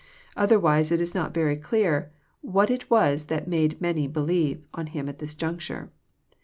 — Other wise it is not very clear what it was that made *' many beiievo*' on Him at this juncture.